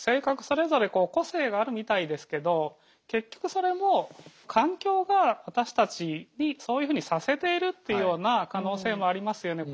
それぞれ個性があるみたいですけど結局それも環境が私たちにそういうふうにさせているというような可能性もありますよね。